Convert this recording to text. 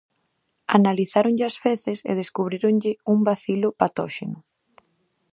Analizáronlle as feces e descubríronlle un bacilo patóxeno.